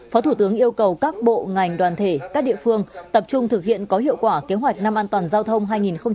phó thủ tướng yêu cầu các bộ ngành đoàn thể các địa phương tập trung thực hiện có hiệu quả kế hoạch năm an toàn giao thông hai nghìn hai mươi